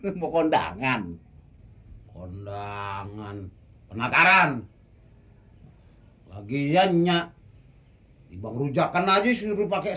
kemukundangan kondangan penataran lagi ya nyak di bang rujakan aja suruh pakai